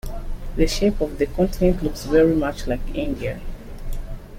The shape of the continent looks very much like India.